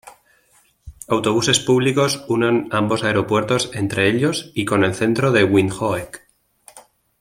Autobuses públicos unen ambos aeropuertos entre ellos y con el centro de Windhoek.